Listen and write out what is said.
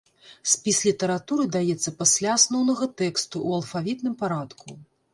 Спіс літаратуры даецца пасля асноўнага тэксту ў алфавітным парадку.